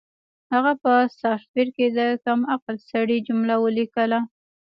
هغه په سافټویر کې د کم عقل سړي جمله ولیکله